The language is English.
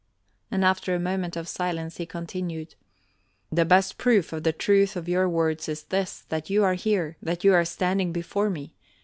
And after a moment of silence he continued: "The best proof of the truth of your words is this, that you are here, that you are standing before me.